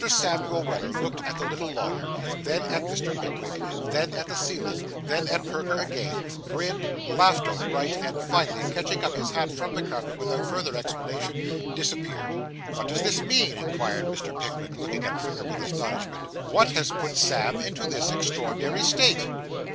Samuel Weller looked at the little lawyer, then at Mr. Pickwick, then at the ceiling, then at Perker again; grinned, laughed outright, and finally, catching up his hat from the carpet, without further explanation, disappeared. 'What does this mean?' inquired Mr. Pickwick, looking at Perker with astonishment. 'What has put Sam into this extraordinary state?